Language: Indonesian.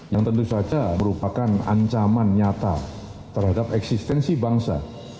yang tentu saja merupakan ancaman nyata terhadap eksistensi bangsa